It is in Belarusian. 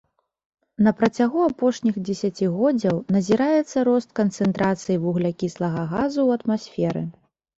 На працягу апошніх дзесяцігоддзяў назіраецца рост канцэнтрацыі вуглякіслага газу ў атмасферы.